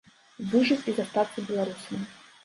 Выжыць і застацца беларусамі.